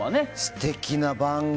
素敵な番組。